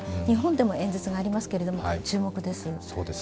日本でも演説がありますけれども、注目です。